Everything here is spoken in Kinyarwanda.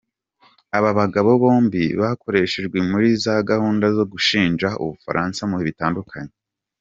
Aba bagabo bombi bakoreshejwe muri za gahunda zo gushinja ubufaransa mu bihe bitandukanye.